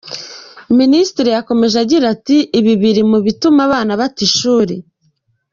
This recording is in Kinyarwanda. Minisitiri yakomeje agira ati “ibi biri mu bituma abana bata ishuri.